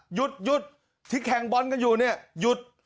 หยุดที่แข่งบอลกันอยู่เนี่ยหยุด